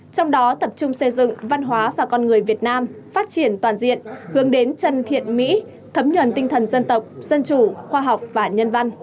trong đó tập trung xây dựng văn hóa và con người việt nam phát triển toàn diện hướng đến chân thiện mỹ thấm nhuần tinh thần dân tộc dân chủ khoa học và nhân văn